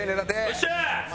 よっしゃ！